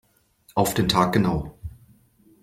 Auf den Tag genau.